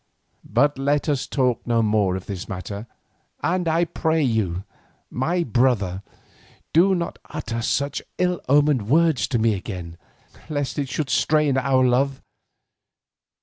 But let us talk no more of this matter, and I pray you, my brother, do not utter such ill omened words to me again, lest it should strain our love.